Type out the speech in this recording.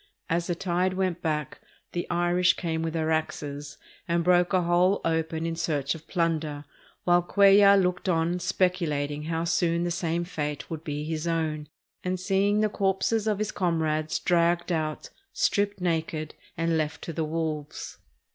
As the tide went back, the Irish came with their axes and broke a hole open in search of plunder; while Cuellar looked on speculating how soon the same fate would be his own, and seeing the corpses of his comrades dragged out, stripped naked, and left to the wolves.